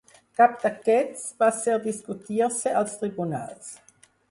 Cap d'aquests va ser discutir-se als tribunals.